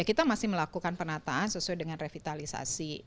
kita masih melakukan penataan sesuai dengan revitalisasi